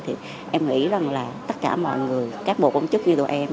thì em nghĩ rằng là tất cả mọi người các bộ công chức như tụi em